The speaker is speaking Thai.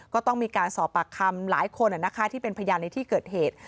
ก็ต้องมีการสอบปากคำหลายคนที่เป็นพยานในที่เกิดเหตุ